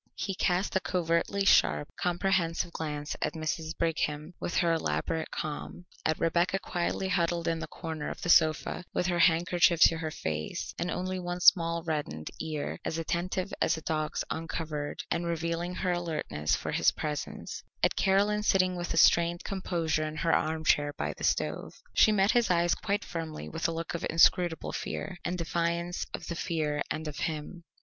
He cast a covertly sharp, comprehensive glance at Mrs. Brigham with her elaborate calm; at Rebecca quietly huddled in the corner of the sofa with her handkerchief to her face and only one small reddened ear as attentive as a dog's uncovered and revealing her alertness for his presence; at Caroline sitting with a strained composure in her armchair by the stove. She met his eyes quite firmly with a look of inscrutable fear, and defiance of the fear and of him.